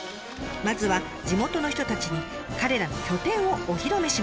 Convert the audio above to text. まずは地元の人たちに彼らの拠点をお披露目します。